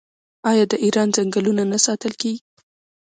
آیا د ایران ځنګلونه نه ساتل کیږي؟